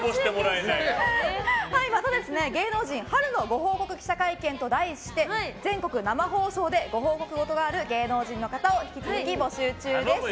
また、芸能人春のご報告記者会見と題して全国生放送で、ご報告事がある芸能人の方を引き続き募集中です。